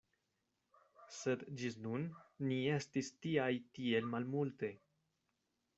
Sed ĝis nun ni estis tiaj tiel malmulte.